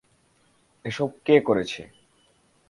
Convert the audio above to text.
এসব কে করেছে?